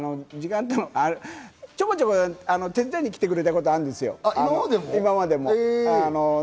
ちょこちょこ、手伝いに来てくれたことはあるんですよ、今まで。